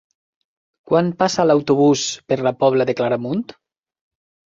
Quan passa l'autobús per la Pobla de Claramunt?